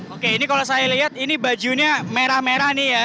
oke ini kalau saya lihat ini bajunya merah merah nih ya